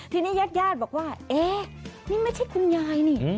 ที่นี่ญาติบอกว่านี่ไม่ใช่คุณยายนี่